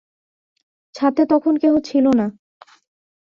ছাতে তখন কেহ ছিল না।